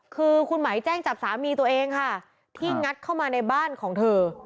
คือคุณไหมแจ้งจับสามีตัวเองค่ะที่งัดเข้ามาในบ้านของเธอ